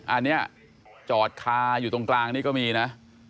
อันนี้จอดคาอยู่ตรงกลางนี่ก็มีนะ